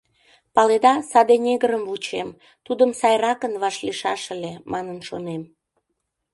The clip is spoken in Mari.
Паледа, саде негрым вучем, тудым сайракын вашлийшаш ыле, манын шонем.